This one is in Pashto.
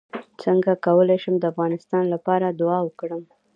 څنګه کولی شم د افغانستان لپاره دعا وکړم